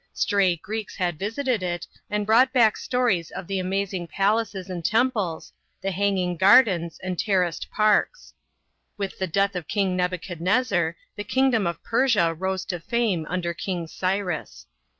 Stray Greeks had visited it and brought back stories of the amazing palaces and temples, the hanging gardens and terraced parks. With tiie death of King Nebuchadnezzar the kingdom of Persia rose to fame under King Cyrus.